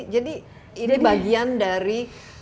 jadi ini bagian dari